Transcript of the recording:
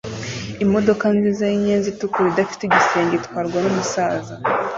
Imodoka nziza yinyenzi itukura idafite igisenge itwarwa numusaza